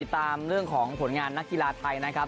ตามเรื่องของผลงานนักกีฬาไทยนะครับ